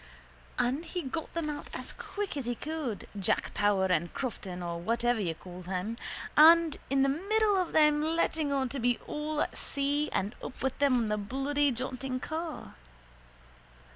And he got them out as quick as he could, Jack Power and Crofton or whatever you call him and him in the middle of them letting on to be all at sea and up with them on the bloody jaunting car.